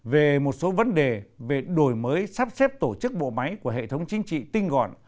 về một số vấn đề về đổi mới sắp xếp tổ chức bộ máy của hệ thống chính trị tinh gọn